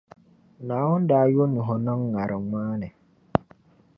Naawuni daa yo Nuhu niŋ ŋariŋ maa ni.